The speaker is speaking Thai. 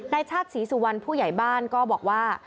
ชาติศรีสุวรรณผู้ใหญ่บ้านก็บอกว่า